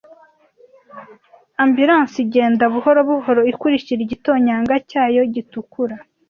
Ambulance igenda buhoro buhoro ikurikira igitonyanga cyayo gitukura,